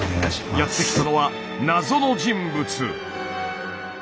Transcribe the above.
やって来たのは謎の人物。